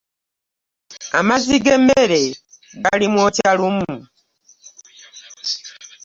Amazzi g’emmere galimwokya lumu.